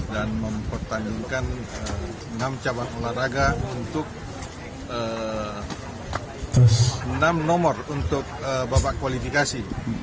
dan mempertandingkan enam cabang olahraga untuk enam nomor untuk babak kualifikasi